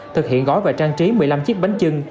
thực hiện gói và trang trí một mươi năm chiếc bánh trưng